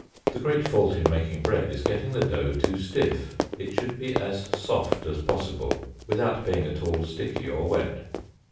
The great fault in making bread is getting the dough too stiff; it should be as soft as possible, without being at all sticky or wet.